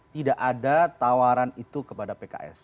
tidak ada tawaran itu kepada pks